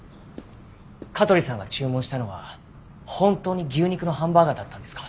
香取さんが注文したのは本当に牛肉のハンバーガーだったんですか？